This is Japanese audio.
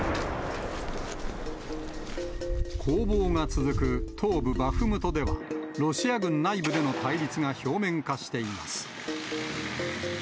攻防が続く東部バフムトでは、ロシア軍内部での対立が表面化しています。